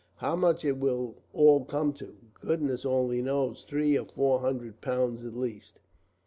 How much it will all come to, goodness only knows; three or four hundred pounds, at least."